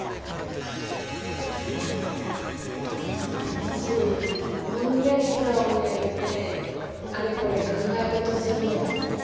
私ぼんやり空を見上げてあれこれ考え事するのが好き。